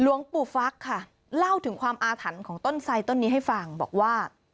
หลวงปู่ฟักค่ะเล่าถึงความอาถรรพ์ของต้นไสต้นนี้ให้ฟังบอกว่า